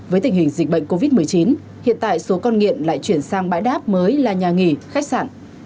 với tình hình dịch bệnh covid một mươi chín hiện tại số con nghiện lại chuyển sang bãi đáp mới là nhà nghỉ khách sạn